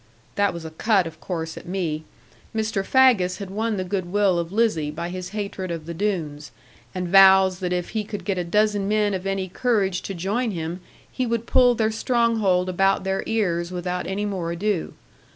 This was a cut, of course, at me. Mr. Faggus had won the goodwill of Lizzie by his hatred of the Doones, and vows that if he could get a dozen men of any courage to join him, he would pull their stronghold about their ears without any more ado.